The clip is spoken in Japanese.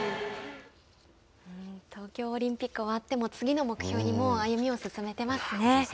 東京オリンピックが終わっても次に歩みを進めてますね。